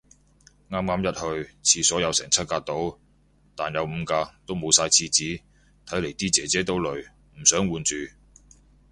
啱啱一去，廁所有成七格到。但有五格，都冇晒廁紙，睇嚟啲姐姐都累，唔想換住